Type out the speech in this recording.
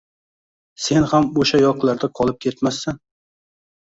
Sen ham o‘sha yoqlarda qolib ketmassan